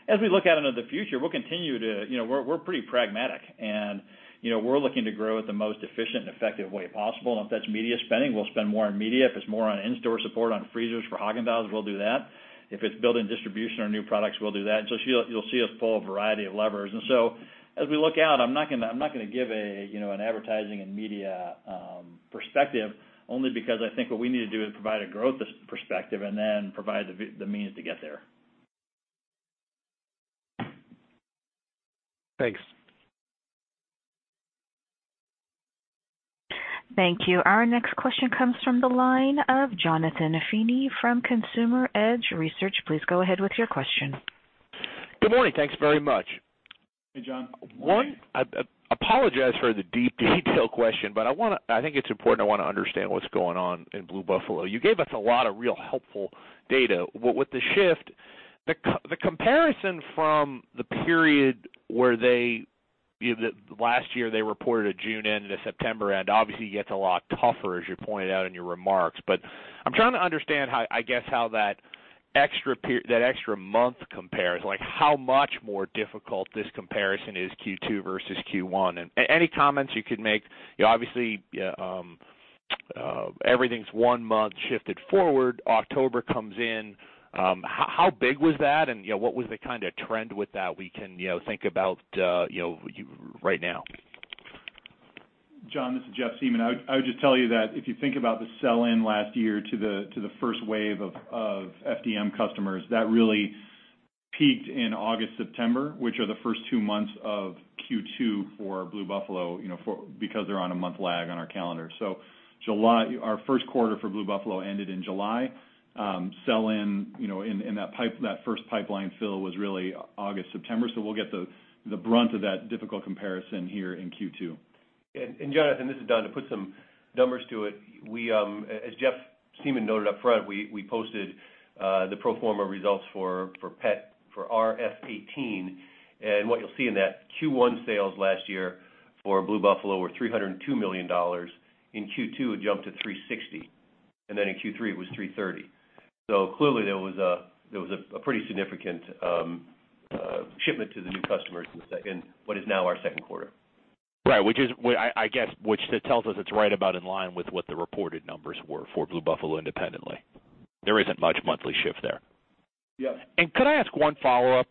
As we look out into the future, we're pretty pragmatic, and we're looking to grow at the most efficient and effective way possible. If that's media spending, we'll spend more on media. If it's more on in-store support on freezers for Häagen-Dazs, we'll do that. If it's building distribution or new products, we'll do that. You'll see us pull a variety of levers. As we look out, I'm not going to give an advertising and media perspective, only because I think what we need to do is provide a growth perspective and then provide the means to get there. Thanks. Thank you. Our next question comes from the line of Jonathan Feeney from Consumer Edge Research. Please go ahead with your question. Good morning. Thanks very much. Hey, Jon. Morning. I apologize for the deep detail question, I think it's important. I want to understand what's going on in Blue Buffalo. You gave us a lot of real helpful data. With the shift, the comparison from the period where last year they reported a June end to September end, obviously gets a lot tougher, as you pointed out in your remarks. I'm trying to understand, I guess, how that extra month compares, like how much more difficult this comparison is Q2 versus Q1. Any comments you could make? Obviously, everything's one month shifted forward. October comes in. How big was that, and what was the kind of trend with that we can think about right now? Jon, this is Jeff Siemon. I would just tell you that if you think about the sell-in last year to the first wave of FDM customers, that really peaked in August, September, which are the first two months of Q2 for Blue Buffalo, because they're on a month lag on our calendar. Our first quarter for Blue Buffalo ended in July. Sell-in in that first pipeline fill was really August, September, we'll get the brunt of that difficult comparison here in Q2. Jonathan, this is Don. To put some numbers to it, as Jeff Siemon noted up front, we posted the pro forma results for pet for our FY 2018. What you will see in that Q1 sales last year for Blue Buffalo were $302 million. In Q2, it jumped to $360 million, in Q3 it was $330 million. Clearly there was a pretty significant shipment to the new customers in what is now our second quarter. Right. That tells us it is right about in line with what the reported numbers were for Blue Buffalo independently. There is not much monthly shift there. Yes. Could I ask one follow-up,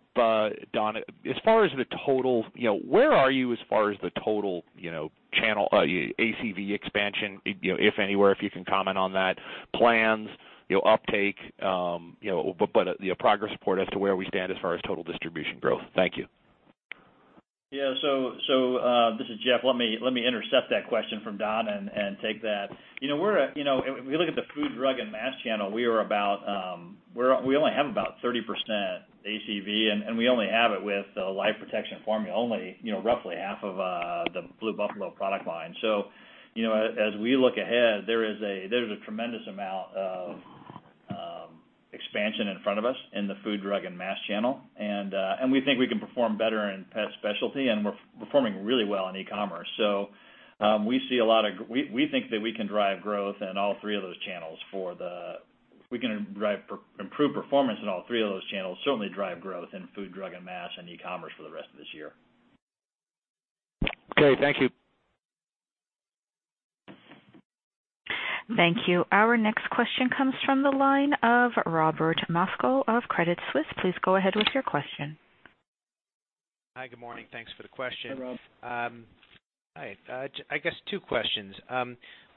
Don? As far as the total, where are you as far as the total ACV expansion, if anywhere, if you can comment on that, plans, uptake, progress report as to where we stand as far as total distribution growth. Thank you. Yeah. This is Jeff. Let me intercept that question from Don and take that. If we look at the food, drug and mass channel, we only have about 30% ACV, we only have it with the Life Protection Formula, only roughly half of the Blue Buffalo product line. As we look ahead, there is a tremendous amount of expansion in front of us in the food, drug and mass channel, we think we can perform better in pet specialty, we are performing really well in e-commerce. We think that we can drive growth in all three of those channels. We can improve performance in all three of those channels, certainly drive growth in food, drug and mass and e-commerce for the rest of this year. Okay. Thank you. Thank you. Our next question comes from the line of Robert Moskow of Credit Suisse. Please go ahead with your question. Hi, good morning. Thanks for the question. Hi, Rob. Hi. I guess two questions.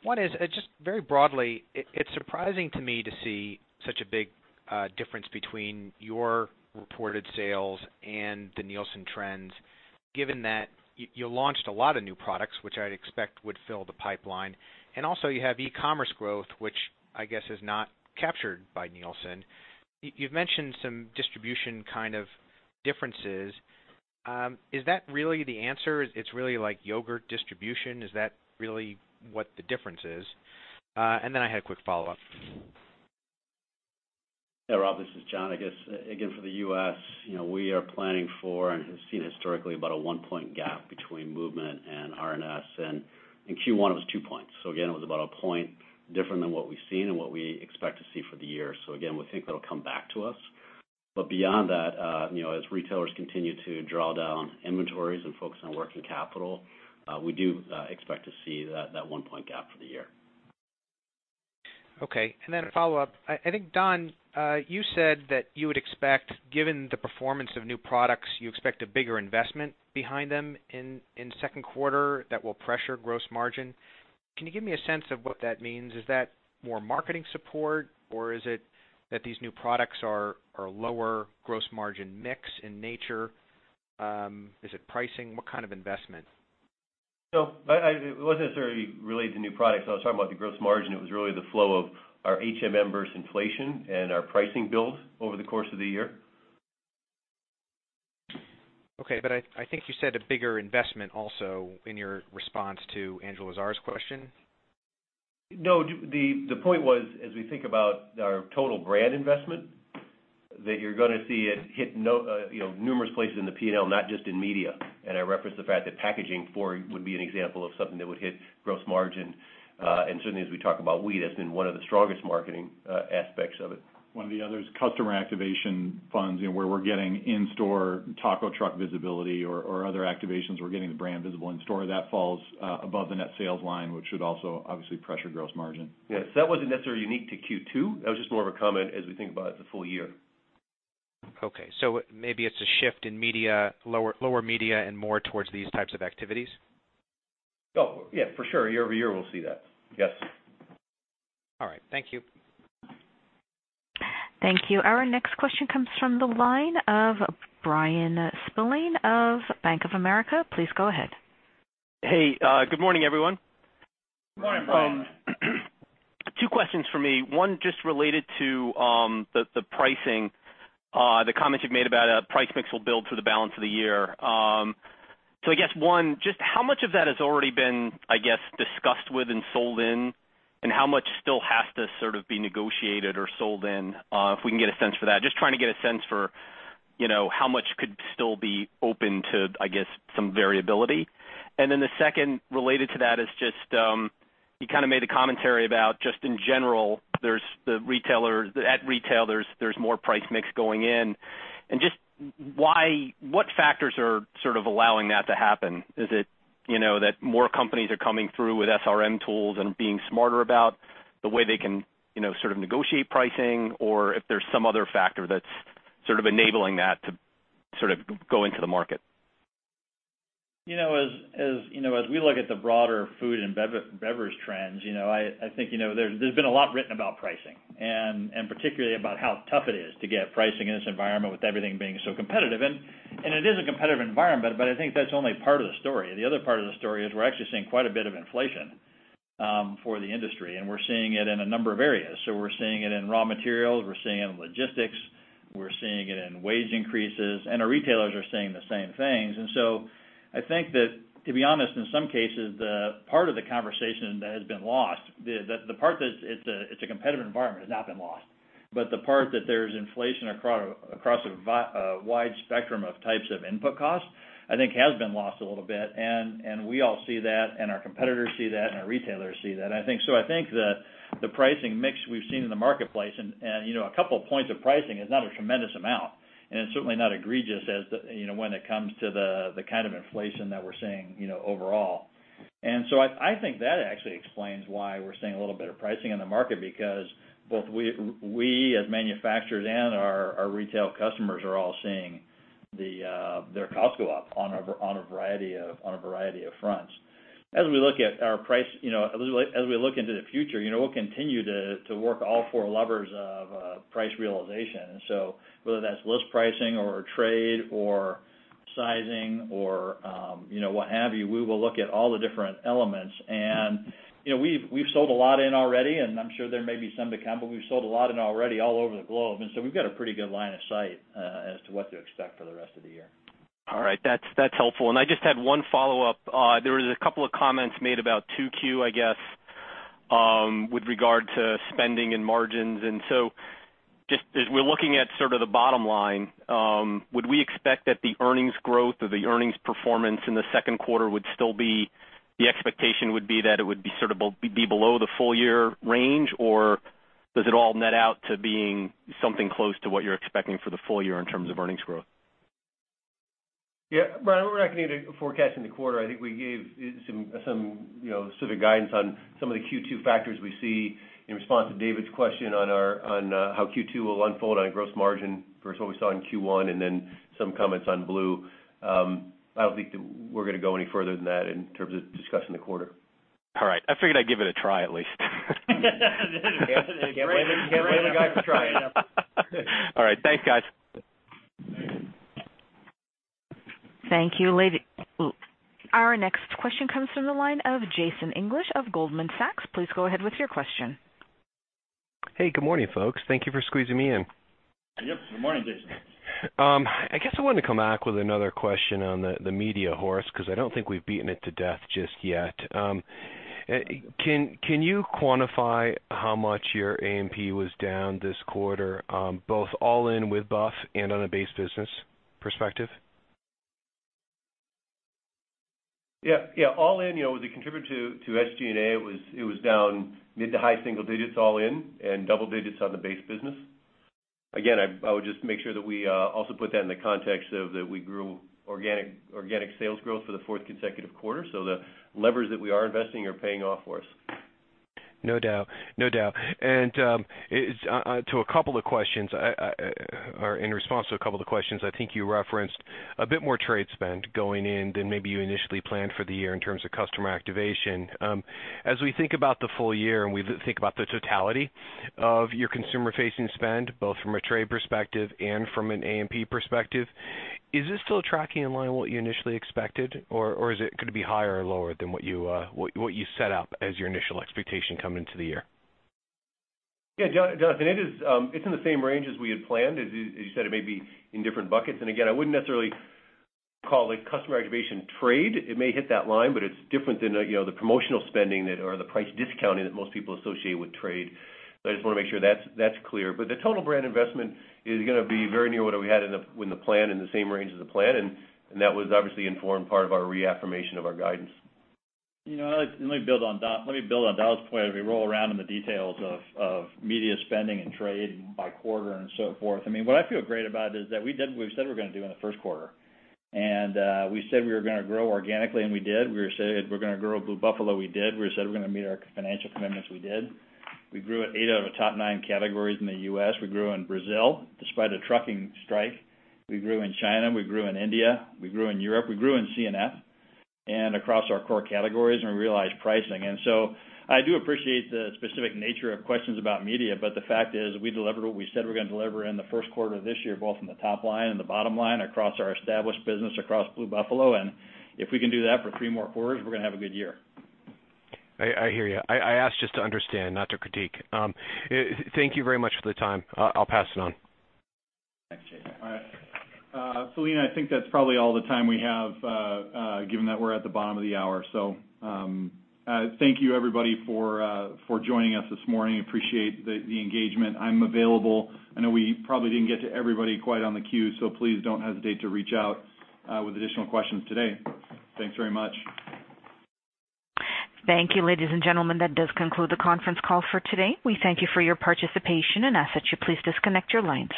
One is just very broadly, it's surprising to me to see such a big difference between your reported sales and the Nielsen trends, given that you launched a lot of new products, which I'd expect would fill the pipeline. Also you have e-commerce growth, which I guess is not captured by Nielsen. You've mentioned some distribution kind of differences. Is that really the answer? It's really like yogurt distribution? Is that really what the difference is? Then I had a quick follow-up. Yeah, Rob, this is Jon. I guess, again, for the U.S., we are planning for and have seen historically about a one-point gap between movement and R&S, and in Q1 it was two points. Again, it was about a point different than what we've seen and what we expect to see for the year. Again, we think that'll come back to us. Beyond that, as retailers continue to draw down inventories and focus on working capital, we do expect to see that one-point gap for the year. Okay, then a follow-up. I think, Don, you said that you would expect, given the performance of new products, you expect a bigger investment behind them in the second quarter that will pressure gross margin. Can you give me a sense of what that means? Is that more marketing support or is it that these new products are lower gross margin mix in nature? Is it pricing? What kind of investment? It wasn't necessarily related to new products. I was talking about the gross margin. It was really the flow of our HMM versus inflation and our pricing build over the course of the year. Okay. I think you said a bigger investment also in your response to Andrew Lazar's question. No, the point was, as we think about our total brand investment, that you're gonna see it hit numerous places in the P&L, not just in media. I referenced the fact that packaging would be an example of something that would hit gross margin. Certainly, as we talk about Oui, that's been one of the strongest marketing aspects of it. One of the others, customer activation funds, where we're getting in-store taco truck visibility or other activations, we're getting the brand visible in store. That falls above the net sales line, which should also obviously pressure gross margin. Yes, that wasn't necessarily unique to Q2. That was just more of a comment as we think about the full year. Okay. Maybe it's a shift in lower media and more towards these types of activities? Oh, yeah, for sure. Year-over-year, we'll see that. Yes. All right. Thank you. Thank you. Our next question comes from the line of Bryan Spillane of Bank of America. Please go ahead. Hey, good morning, everyone. Good morning, Bryan. Two questions from me. One just related to the pricing, the comments you've made about price mix will build for the balance of the year. I guess, one, just how much of that has already been, I guess, discussed with and sold in, and how much still has to sort of be negotiated or sold in? If we can get a sense for that. Just trying to get a sense for how much could still be open to, I guess, some variability. The second related to that is just, you kind of made a commentary about just in general, at retail, there's more price mix going in. Just what factors are sort of allowing that to happen? Is it that more companies are coming through with SRM tools and being smarter about the way they can sort of negotiate pricing or if there's some other factor that's sort of enabling that to sort of go into the market. As we look at the broader food and beverage trends, I think there's been a lot written about pricing, and particularly about how tough it is to get pricing in this environment with everything being so competitive. It is a competitive environment, but I think that's only part of the story. The other part of the story is we're actually seeing quite a bit of inflation for the industry, and we're seeing it in a number of areas. We're seeing it in raw materials, we're seeing it in logistics, we're seeing it in wage increases, and our retailers are seeing the same things. I think that, to be honest, in some cases, the part of the conversation that has been lost, the part that it's a competitive environment has not been lost. The part that there's inflation across a wide spectrum of types of input costs, I think has been lost a little bit. We all see that, and our competitors see that, and our retailers see that. I think the pricing mix we've seen in the marketplace and a couple of points of pricing is not a tremendous amount, and it's certainly not egregious when it comes to the kind of inflation that we're seeing overall. I think that actually explains why we're seeing a little bit of pricing in the market because both we as manufacturers and our retail customers are all seeing their costs go up on a variety of fronts. As we look into the future, we'll continue to work all four levers of price realization. Whether that's list pricing or trade or sizing or what have you, we will look at all the different elements. We've sold a lot in already, and I'm sure there may be some to come, but we've sold a lot in already all over the globe. We've got a pretty good line of sight as to what to expect for the rest of the year. All right. That's helpful. I just had one follow-up. There was a couple of comments made about 2Q, I guess, with regard to spending and margins. Just as we're looking at sort of the bottom line, would we expect that the earnings growth or the earnings performance in the second quarter would still be the expectation would be that it would be below the full year range, or does it all net out to being something close to what you're expecting for the full year in terms of earnings growth? Yeah. Bryan, we're not going to forecast in the quarter. I think we gave some specific guidance on some of the Q2 factors we see in response to David's question on how Q2 will unfold on gross margin versus what we saw in Q1, and then some comments on Blue. I don't think that we're going to go any further than that in terms of discussing the quarter. All right. I figured I'd give it a try at least. Can't blame a guy for trying. All right. Thanks, guys. Thank you. Our next question comes from the line of Jason English of Goldman Sachs. Please go ahead with your question. Hey, good morning, folks. Thank you for squeezing me in. Yep. Good morning, Jason. I guess I wanted to come back with another question on the media horse because I don't think we've beaten it to death just yet. Can you quantify how much your A&P was down this quarter, both all in with Buff and on a base business perspective? Yeah. All in, as a contributor to SG&A, it was down mid to high single digits all in and double digits on the base business. Again, I would just make sure that we also put that in the context of that we grew organic sales growth for the fourth consecutive quarter. The levers that we are investing are paying off for us. No doubt. To a couple of questions, or in response to a couple of questions, I think you referenced a bit more trade spend going in than maybe you initially planned for the year in terms of customer activation. As we think about the full year and we think about the totality of your consumer-facing spend, both from a trade perspective and from an A&P perspective, is this still tracking in line what you initially expected, or is it going to be higher or lower than what you set up as your initial expectation coming into the year? Yeah. Jason, it's in the same range as we had planned. As you said, it may be in different buckets. Again, I wouldn't necessarily call it customer activation trade. It may hit that line, but it's different than the promotional spending or the price discounting that most people associate with trade. I just want to make sure that's clear. The total brand investment is going to be very near what we had in the plan, in the same range as the plan, and that obviously informed part of our reaffirmation of our guidance. Let me build on Don's point as we roll around in the details of media spending and trade by quarter and so forth. What I feel great about is that we did what we said we were going to do in the first quarter. We said we were going to grow organically, and we did. We said we were going to grow Blue Buffalo, we did. We said we were going to meet our financial commitments, we did. We grew at 8 out of the top 9 categories in the U.S. We grew in Brazil despite a trucking strike. We grew in China, we grew in India, we grew in Europe, we grew in C&F and across our core categories, we realized pricing. I do appreciate the specific nature of questions about media, but the fact is we delivered what we said we're going to deliver in the first quarter of this year, both in the top line and the bottom line across our established business, across Blue Buffalo. If we can do that for three more quarters, we're going to have a good year. I hear you. I ask just to understand, not to critique. Thank you very much for the time. I'll pass it on. Thanks, Jason. Celina, I think that's probably all the time we have, given that we're at the bottom of the hour. Thank you everybody for joining us this morning. Appreciate the engagement. I'm available. I know we probably didn't get to everybody quite on the queue, so please don't hesitate to reach out with additional questions today. Thanks very much. Thank you, ladies and gentlemen. That does conclude the conference call for today. Oui thank you for your participation and ask that you please disconnect your lines.